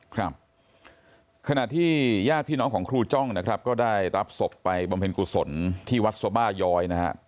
ครับขณะที่ญาติพี่น้องของครูจ้องนะครับก็ได้รับศพไปบำเพ็ญกุศลที่วัดสบาย้อยนะฮะ